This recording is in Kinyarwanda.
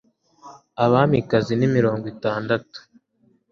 abamikazi ni mirongo itandatu